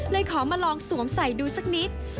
ขอมาลองสวมใส่ดูสักนิด